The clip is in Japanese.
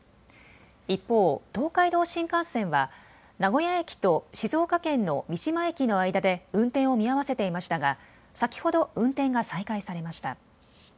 一方、東海道新幹線は名古屋駅と静岡県の三島駅の間で運転を見合わせていましたが先ほど運転が再開されました。